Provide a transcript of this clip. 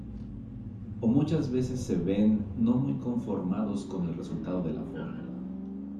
O muchas veces se ven no muy conformados con el resultado de la formula.